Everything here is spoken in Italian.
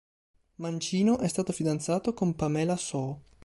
Mancino, è stato fidanzato con Pamela Soo.